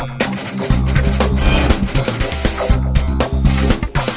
momanat nganara lebih luas